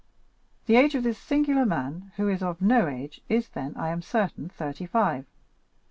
The age of this singular man, who is of no age, is then, I am certain, thirty five.